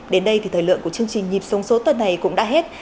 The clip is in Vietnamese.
đến đây thì thời lượng của chương trình nhịp sống số tuần này cũng đã hết